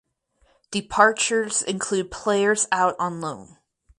Departures include players out on loan.